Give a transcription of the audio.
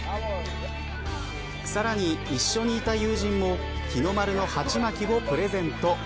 さらに、一緒にいた友人も日の丸の鉢巻きをプレゼント。